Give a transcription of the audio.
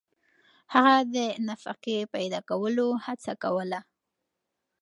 هغه د نفقې پیدا کولو هڅه کوله.